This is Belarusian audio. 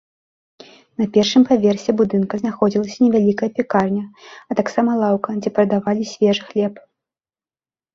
На першым паверсе будынка знаходзілася невялікая пякарня, а таксама лаўка, дзе прадавалі свежы хлеб.